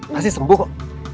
pasti sembuh kok